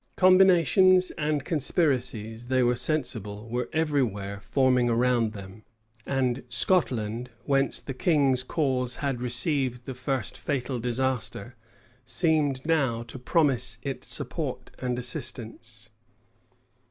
Combinations and conspiracies, they were sensible, were every where forming around them; and Scotland, whence the king's cause had received the first fatal disaster, seemed now to promise it support and assistance.